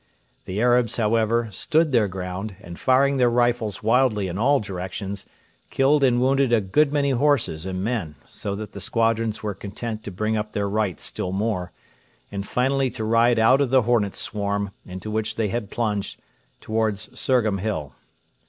The Arabs, however, stood their ground, and, firing their rifles wildly in all directions, killed and wounded a good many horses and men, so that the squadrons were content to bring up their right still more, and finally to ride out of the hornet swarm, into which they had plunged, towards Surgham Hill.